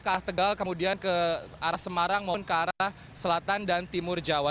ke arah tegal kemudian ke arah semarang mohon ke arah selatan dan timur jawa